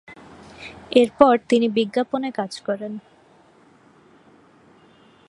এরপর তিনি বিজ্ঞাপনে কাজ করেন।